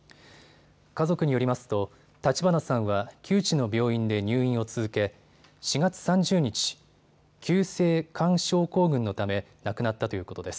家族によりますと立花さんは旧知の病院で入院を続け４月３０日、急性冠症候群のため亡くなったということです。